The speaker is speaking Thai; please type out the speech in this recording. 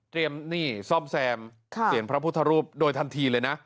นี่ซ่อมแซมเสียงพระพุทธรูปโดยทันทีเลยนะ